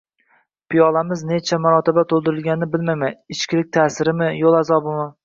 Piyolamiz necha marotoba to’ldirilganini bilmayman, ichkilik ta’sirimi, yo’l azobimi